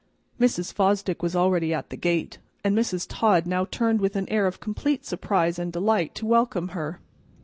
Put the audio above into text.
Mrs. Fosdick was already at the gate, and Mrs. Todd now turned with an air of complete surprise and delight to welcome her.